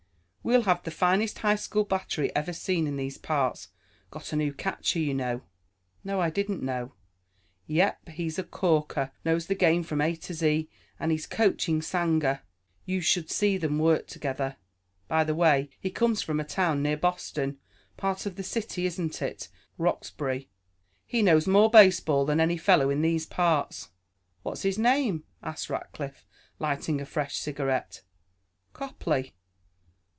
We'll have the finest high school battery ever seen in these parts. Got a new catcher, you know." "No. I didn't know." "Yep. He's a corker. Knows the game from A to Z, and he's coaching Sanger. You should see them work together. By the way, he comes from a town near Boston. Part of the city, isn't it Roxbury? He knows more baseball than any fellow in these parts." "What's his name?" asked Rackliff, lighting a fresh cigarette. "Copley."